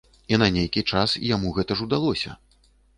І на нейкі час яму гэта ж удалося.